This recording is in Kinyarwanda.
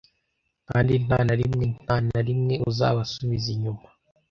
kandi nta na rimwe nta na rimwe uzabasubiza inyuma